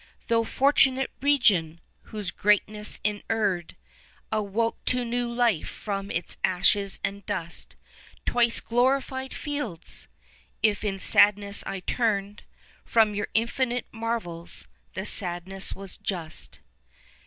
Thou fortunate Region! whose Greatness inurned Awoke to new life from its ashes and dust; Twice glorified fields! if in sadness I turned 15 From your infinite marvels, the sadness was just.